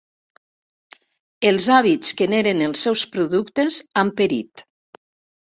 Els hàbits que n'eren els seus productes han perit.